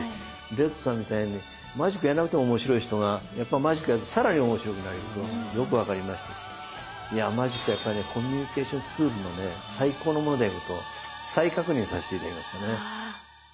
レッドさんみたいにマジックやらなくても面白い人がやっぱマジックやると更に面白くなれるのがよく分かりましたしマジックはコミュニケーションツールのね最高のものであると再確認させて頂きましたね。